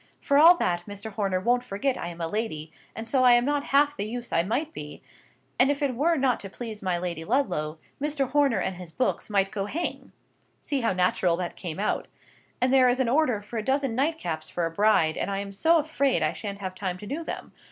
For all that, Mr. Horner won't forget I am a lady, and so I am not half the use I might be, and if it were not to please my Lady Ludlow, Mr. Horner and his books might go hang (see how natural that came out!). And there is an order for a dozen nightcaps for a bride, and I am so afraid I shan't have time to do them.